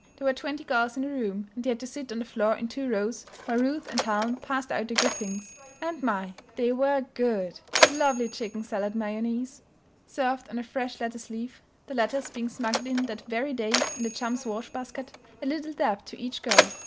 There were twenty girls in the room, and they had to sit on the floor in two rows while Ruth and Helen passed out the good things. And my! they were good! Lovely chicken salad mayonnaise, served on a fresh lettuce leaf (the lettuce being smuggled in that very day in the chums' wash basket) a little dab to each girl.